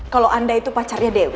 kalau anda itu pacarnya dewi